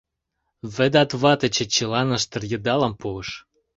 — Ведат вате Чачилан ыштыр-йыдалым пуыш.